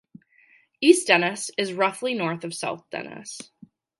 East Dennis is roughly north of South Dennis.